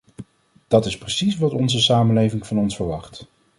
Dat is precies wat onze samenlevingen van ons verwachten.